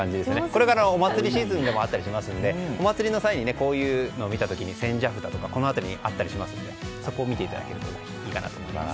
これからお祭りシーズンでもあったりしますんでお祭りでこういうのを見た際に千社札とかがあったりしますのでそこを見ていただけるといいかなと思います。